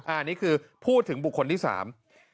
อันนี้คือพูดถึงบุคคลที่สาม